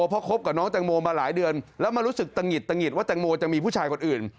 เพราะคบกับน้องแตงโมมาหลายเดือนแล้วมารู้สึกตะหิดตะหิดว่าแตงโมจะมีผู้ชายคนอื่น